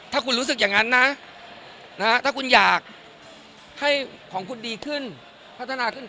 ถ้าคุณหยั่งสำเร็จและอยากให้คุณของคุณดีขึ้นและขีดกลัวขึ้น